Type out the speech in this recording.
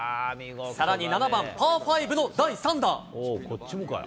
さらに７番パー５の第３打。